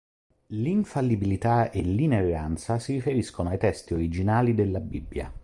L'infallibilità e l'inerranza si riferiscono ai testi originali della Bibbia.